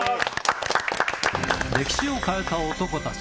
歴史を変えた男たち。